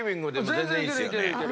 全然いけるいけるいける。